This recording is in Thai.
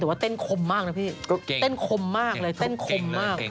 แต่ว่าเต้นคมมากนะพี่เต้นคมมากเลยเต้นคมมาก